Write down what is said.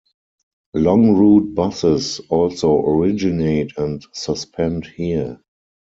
Long route buses also originate and suspend here.